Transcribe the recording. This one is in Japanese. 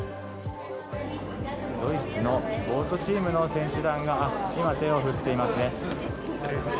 ドイツのボートチームの選手団が今、手を振っていますね。